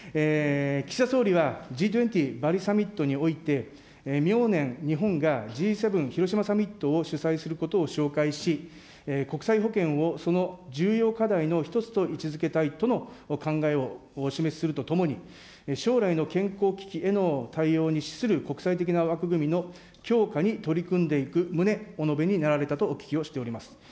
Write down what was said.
岸田総理はＧ７・バリサミットにおいて、明年、日本がＧ７・広島サミットを主催することを紹介し、国際保健をその重要課題の一つと位置づけたいとの考えをお示しするとともに、将来の健康危機への対応に資する国際的な枠組みの強化に取り組んでいく旨、お述べになられたとお聞きをしております。